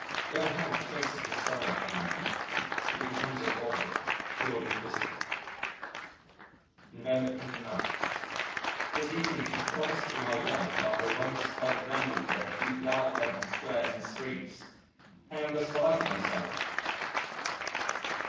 Ill health chases the soul out of a man. He becomes a body, purely physical. November 29. This evening she promised to be my wife after a long silent ramble together thro' dark London squares and streets! I am beside myself!